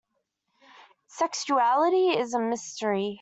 Sexuality is a mystery.